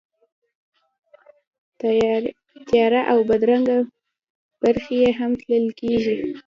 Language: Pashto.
تیاره او بدرنګې برخې یې هم تلل کېږي.